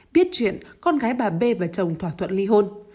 biết chuyện con gái bà b và chồng thỏa thuận ly hôn